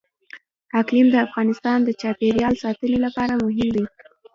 اقلیم د افغانستان د چاپیریال ساتنې لپاره مهم دي.